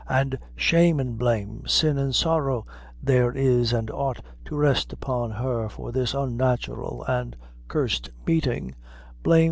ay, shame an' blame sin an' sorrow there is an' ought to rest upon her for this unnatural and cursed meetin'! Blame!